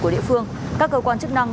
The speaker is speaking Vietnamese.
của địa phương các cơ quan chức năng